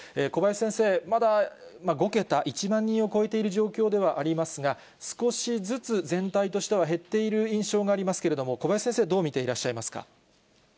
小林先生、まだ５桁、１万人を超えている状況ではありますが、少しずつ、全体としては減っている印象がありますけれども、小林先生、どう見ていらっしゃいますか？